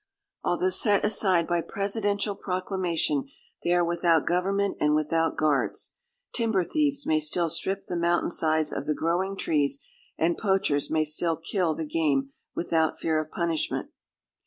Although set aside by presidential proclamation, they are without government and without guards. Timber thieves may still strip the mountain sides of the growing trees, and poachers may still kill the game without fear of punishment.